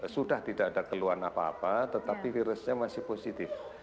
sudah tidak ada keluhan apa apa tetapi virusnya masih positif